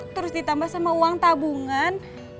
terus ditambah sama uang tabungan